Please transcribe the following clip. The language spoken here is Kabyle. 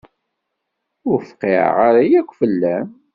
Ur fqiɛeɣ ara akk fell-am.